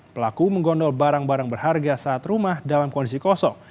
pelaku menggondol barang barang berharga saat rumah dalam kondisi kosong